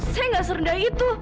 saya nggak serendah itu